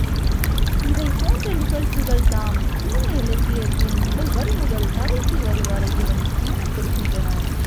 இதைப் போன்ற நிகழ்ச்சிகள் தாம் சீன இலக்கியத்தின் முதல் வரி முதல் கடைசி வரி வரையிலும் காணப்படுகின்றன.